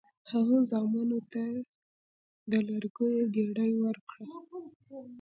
هغه زامنو ته د لرګیو ګېډۍ ورکړه.